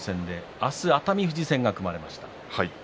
明日は熱海富士戦が組まれました。